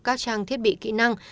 các trang thiết bị kỹ năng